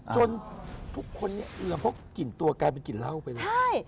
จนทุกคนเหลือพกกลิ่นตัวกลายเป็นกลิ่นเหล้าไป